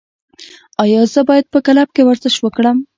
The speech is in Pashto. ایا زه باید په کلب کې ورزش وکړم؟